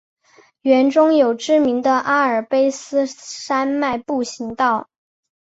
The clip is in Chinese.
园中有知名的阿尔卑斯山脉步行道。